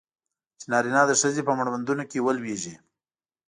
چې نارینه د ښځې په مړوندونو کې ولویږي.